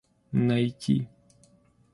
найти